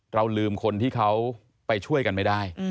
เราลืมคนที่เขาไปช่วยกันไม่ได้